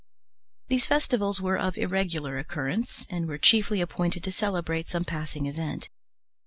These festivals were of irregular occurrence, and were chiefly appointed to celebrate some passing event.